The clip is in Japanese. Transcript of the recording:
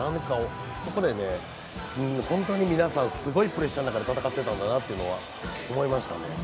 そこで本当に皆さん、すごいプレッシャーの中で戦っていたんだなと思いましたね。